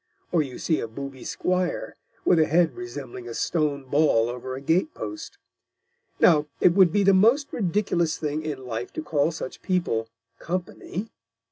Or you see a Booby Squire, with a Head resembling a Stone ball over a Gate post. Now, it would be the most ridiculous Thing in Life to call such People Company.